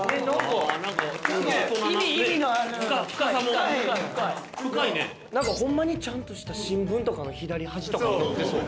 うわあ！ホンマにちゃんとした新聞とかの左端とかに載ってそう。